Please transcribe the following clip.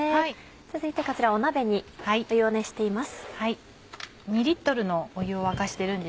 続いてこちら鍋に湯を熱しています。